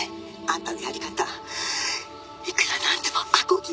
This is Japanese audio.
「あんたのやり方いくらなんでも阿漕よ」